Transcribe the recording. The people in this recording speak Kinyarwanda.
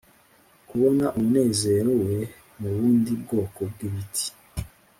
kubona umunezero we mubundi bwoko bwibiti